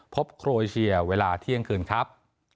โครเอเชียเวลาเที่ยงคืนครับ